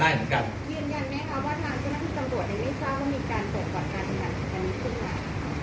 ยืนยันไหมครับว่านางที่นางที่สังตรวจเนี่ยไม่ชอบว่ามีการตรวจก่อนการอีกหลักฐานอีกทุกครั้ง